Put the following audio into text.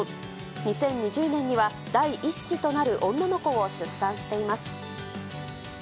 ２０２０年には第１子となる女の子を出産しています。